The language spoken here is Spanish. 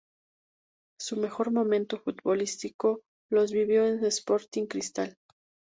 Su mejor momento futbolístico los vivió en Sporting Cristal.